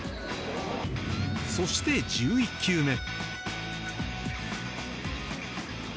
そして１１球目。